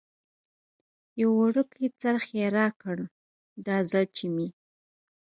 یو وړوکی څرخ یې راکړ، دا ځل چې مې.